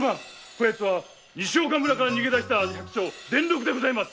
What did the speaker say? そやつは西岡村から逃げ出した百姓伝六でございます。